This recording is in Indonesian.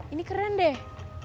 ini keren deh